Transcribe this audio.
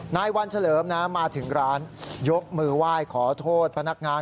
นายวันเฉลิมนะมาถึงร้านยกมือไหว้ขอโทษพนักงาน